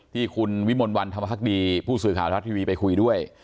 ที่คุณวิมลวันธรรมภักดีผู้สื่อข่าวทรัฐทีวีไปคุยด้วย